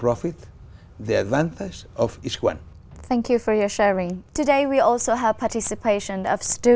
nó biến đổi những lý do của lịch sử